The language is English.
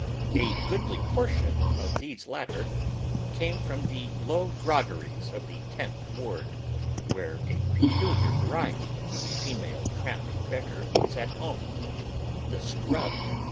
A goodly proportion of these latter came from the low groggeries of the Tenth Ward, where a peculiar variety of the female tramp beggar IS at home, the "scrub."